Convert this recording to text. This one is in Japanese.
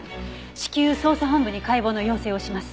至急捜査本部に解剖の要請をします。